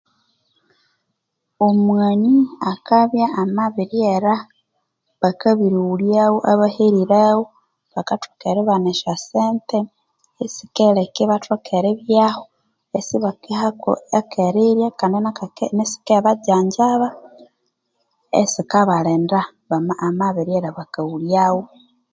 Omwano akaba amabiryera bakabirighulyaghu abaherireghu bakathoka eribana eshosente esikireka Ibathoka eribyaho nesikibajajaba bakabirighulyaghu